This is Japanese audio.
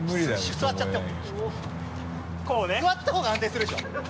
座った方が安定するでしょ。